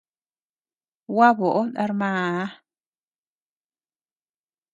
Gua boʼö nar maa.